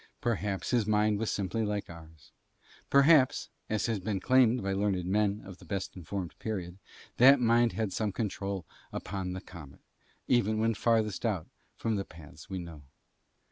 Perhaps his mind was simply like ours; perhaps, as has been claimed by learned men of the best informed period, that mind had some control upon the comet, even when farthest out from the paths we know.